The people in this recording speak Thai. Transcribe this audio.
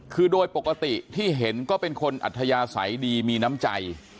คือโดยปกติที่เห็นก็เป็นคนอัธยาศัยดีมีน้ำใจ